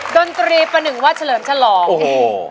ดนตรีประหนึ่งว่าเฉลิมฉลองโอ้โห